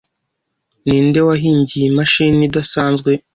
Ninde wahimbye iyi mashini idasanzwe?